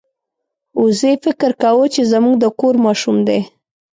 وزې فکر کاوه چې زموږ د کور ماشوم دی.